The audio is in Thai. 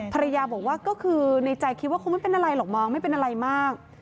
ภรรยาบอกว่าก็คือในใจคิดว่าคงไม่เป็นอะไรหรอกมั้งไม่เป็นอะไรมาก